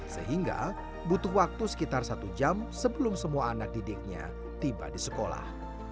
sehingga butuh waktu sekitar satu jam sebelum semua anak didiknya tiba di sekolah